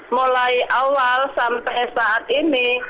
mulai awal sampai saat ini